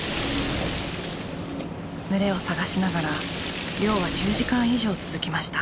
群れを探しながら漁は１０時間以上続きました。